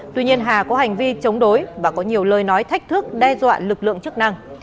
tuy nhiên hà có hành vi chống đối và có nhiều lời nói thách thức đe dọa lực lượng chức năng